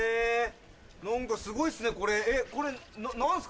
何かすごいっすね何すか？